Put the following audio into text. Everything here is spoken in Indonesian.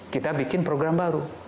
kita bikin program baru